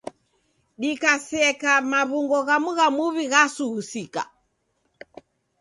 Dikakaseka maw'ungo ghamu gha muw'i ghasughusika.